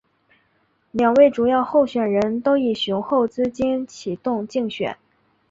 两位主要候选人都以雄厚资金启动竞选。